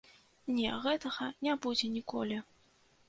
Не, гэтага не будзе ніколі.